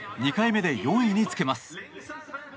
２回目で４位につけます。